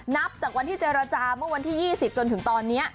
นับจากวันที่เจรจาเมื่อวันที่๒๐จนถึงตอนนี้